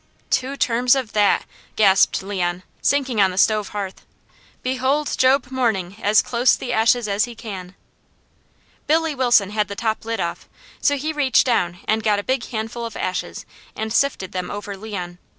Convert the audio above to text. '" "Two terms of that!" gasped Leon, sinking on the stove hearth. "Behold Job mourning as close the ashes as he can." Billy Wilson had the top lid off, so he reached down and got a big handful of ashes and sifted them over Leon.